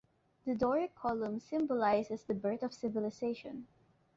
The doric column symbolises the birth of civilisation.